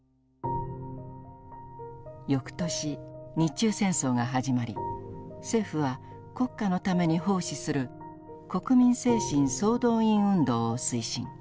翌年日中戦争が始まり政府は国家のために奉仕する「国民精神総動員」運動を推進。